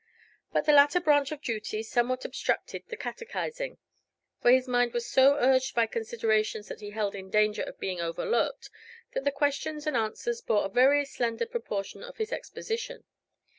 But the latter branch of duty somewhat obstructed the catechising, for his mind was so urged by considerations which he held in danger of being overlooked, that the questions and answers bore a very slender proportion to his exposition.